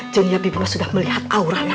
jenia bibi masa sudah melihat aurana